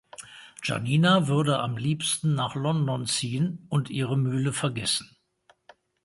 Giannina würde am liebsten nach London ziehen und ihre Mühle vergessen.